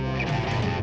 pertama pertama pertama